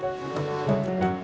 kalau banyak yang nggak hadir